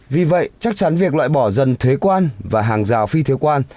vì vậy chắc chắn việc loại bỏ dần thuế quan và hàng rào phi thuế quan